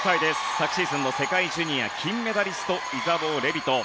昨シーズンの世界ジュニア金メダリストイザボー・レビト。